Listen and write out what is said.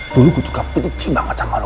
dulu gue juga pedici banget sama lo